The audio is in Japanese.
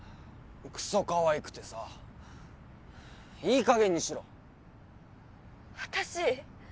クソかわいくてさいい加減にしろ私